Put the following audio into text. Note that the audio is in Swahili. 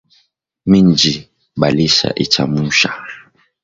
Mindji balisha ichamusha